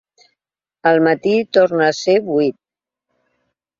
Al matí torna a ser buit.